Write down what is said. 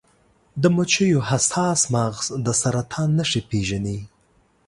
د مچیو حساس مغز د سرطان نښې پیژني.